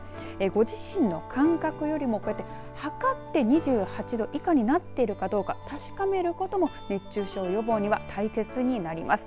ご自身の感覚よりも、こうやって測って２８度以下になっているかどうか確かめることも熱中症予防には大切になります。